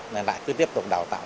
nên lại cứ tiếp tục đào tạo